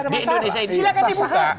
di indonesia ini